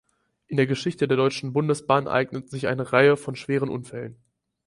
In der Geschichte der Deutschen Bundesbahn ereigneten sich eine Reihe von schweren Unfällen.